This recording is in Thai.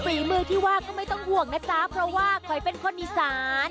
ฝีมือที่ว่าก็ไม่ต้องห่วงนะจ๊ะเพราะว่าคอยเป็นคนอีสาน